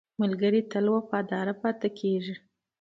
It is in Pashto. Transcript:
ملګری تل وفادار پاتې کېږي